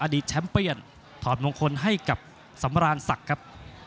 แชมป์เปี้ยนถอดมงคลให้กับสำรานศักดิ์ครับ